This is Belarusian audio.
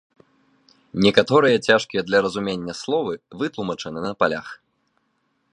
Некаторыя цяжкія для разумення словы вытлумачаны на палях.